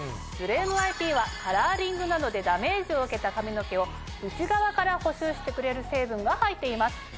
ジュレームｉＰはカラーリングなどでダメージを受けた髪の毛を内側から補修してくれる成分が入っています。